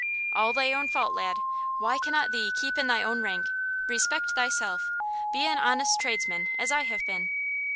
"All thy own fault, lad. Why cannot thee keep in thy own rank? Respect thyself. Be an honest tradesman, as I have been."